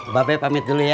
mbak be pamit dulu ya